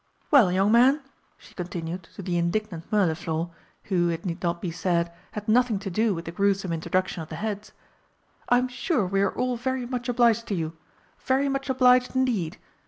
Well, young man," she continued to the indignant Mirliflor, who, it need not be said, had nothing to do with the gruesome introduction of the heads, "I'm sure we are all very much obliged to you very much obliged indeed.